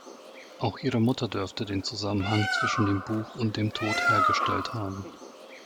Auch ihre Mutter dürfte den Zusammenhang zwischen dem Buch und dem Tod hergestellt haben.